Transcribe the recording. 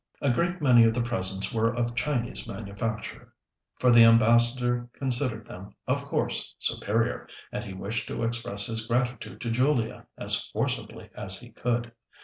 A great many of the presents were of Chinese manufacture; for the Ambassador considered them, of course, superior, and he wished to express his gratitude to Julia as forcibly as he could.